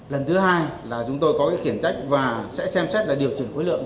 lần thứ hai là chúng tôi có cái khiển trách và sẽ xem xét là điều chỉnh khối lượng